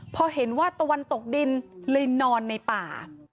พอเห็นว่าตะวันตกดินเลยนอนในป่า